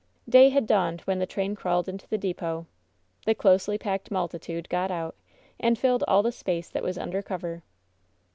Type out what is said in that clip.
Day had dawned when the train crawled into the depot. The closely packed multitude got out, and filled all the space that was under cover.